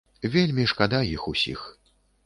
Вельмі шкада іх усіх.